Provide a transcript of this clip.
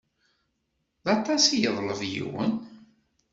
D aṭas i yeḍleb yiwen?